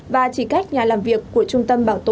và chỉ cách nhà làm việc của trung tâm bảo tồn